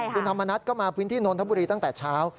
คุณธรรมนัฐก็มาพื้นที่นนทบุรีตั้งแต่เช้า